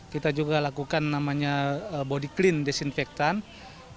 kita juga lakukan namanya body clean desinfektan